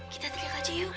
kita teriak aja yuk